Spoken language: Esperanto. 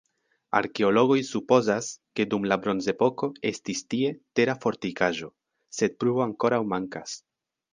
Arkeologoj supozas, ke dum la bronzepoko estis tie tera fortikaĵo, sed pruvo ankoraŭ mankas.